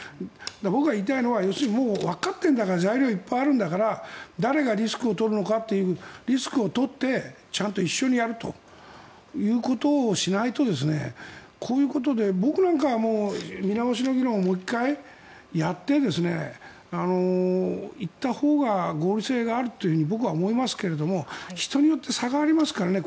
僕が言いたいのはわかっているんだから材料がいっぱいあるんだから誰がリスクを取るのかというリスクを取ってちゃんと一緒にやるということをしないとこういうことで僕なんかは見直しの議論をもう１回やっていったほうが合理性があると僕は思いますけれども人によって差がありますからね